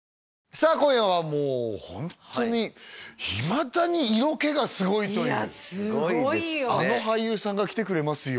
さあ今夜はもうホントにいまだに色気がすごいといういやすごいよあの俳優さんが来てくれますよ